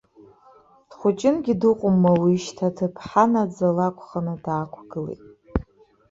Дхәыҷынгьы дыҟоума уи шьҭа, аҭыԥҳа наӡа лакәханы даақәгылеит.